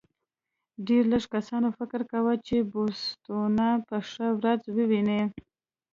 ډېرو لږو کسانو فکر کاوه چې بوتسوانا به ښه ورځ وویني.